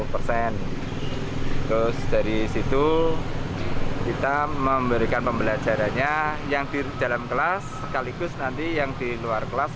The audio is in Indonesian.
terus dari situ kita memberikan pembelajarannya yang di dalam kelas sekaligus nanti yang di luar kelas